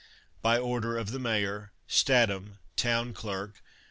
By Order of the Mayor, STATHAM, TOWN CLERK.